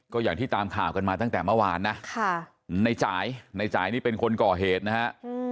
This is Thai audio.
ก็อย่างที่ตามข่าวกันมาตั้งแต่เมื่อวานนะในจ่ายในจ่ายนี่เป็นคนก่อเหตุนะฮะ